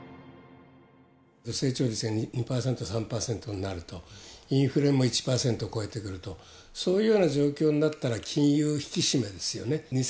成長率が２％、３％になると、インフレも１％超えてくると、そういうような状況になったら、金融引き締めですよね。